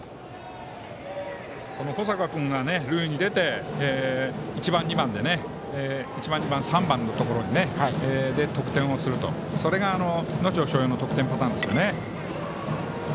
この保坂君が塁に出て１番、２番、３番のところで得点をするというのが能代松陽の得点パターンですね。